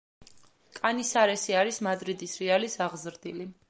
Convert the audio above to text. კანისარესი არის მადრიდის „რეალის“ აღზრდილი.